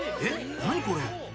何これ？